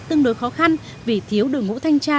tương đối khó khăn vì thiếu đội ngũ thanh tra